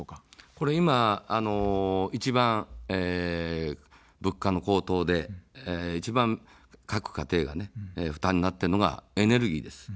ここは一番、物価の高騰で一番各家庭が負担になっているのがエネルギーです。